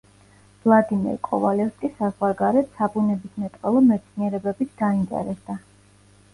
ვლადიმერ კოვალევსკი საზღვარგარეთ საბუნებისმეტყველო მეცნიერებებით დაინტერესდა.